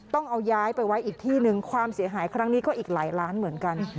ต้องเอาย้ายไปไว้อีกที่หนึ่งความเสียหายครั้งนี้ก็อีกหลายล้านเหมือนกัน